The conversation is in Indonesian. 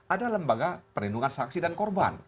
ada lembaga perlindungan saksi dan korban